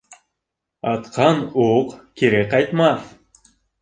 Атҡан уҡ кире ҡайтмаҫ.